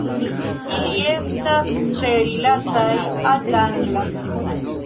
Ili estas tre rilataj al la angla.